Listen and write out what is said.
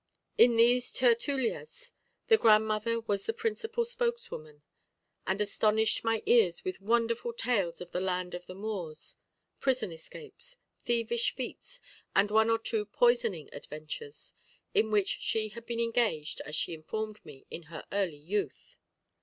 In these tertulias the grandmother was the principal spokeswoman, and astonished my ears with wonderful tales of the land of the Moors, prison escapes, thievish feats, and one or two poisoning adventures, in which she had been engaged, as she informed me, in her early youth.